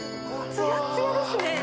つやっつやですね。